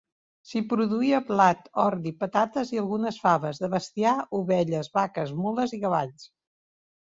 S'hi produïa blat, ordi, patates i algunes faves; de bestiar, ovelles, vaques, mules i cavalls.